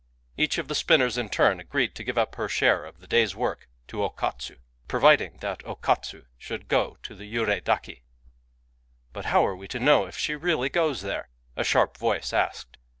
Each of the spinners in turn agreed to give up her share of the day's work to O Katsu, providing that O Katsu should go to the Yurei Daki. " But how are we to know if she really goes there?" a sharp voice asked.